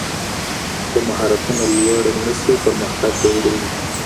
که مهارتونه لوړ نشي پرمختګ به ورو وي.